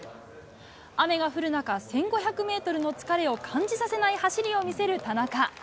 雨が降る中、１５００メートルの疲れを感じさせない走りを見せる田中。